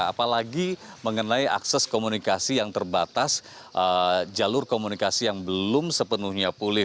apalagi mengenai akses komunikasi yang terbatas jalur komunikasi yang belum sepenuhnya pulih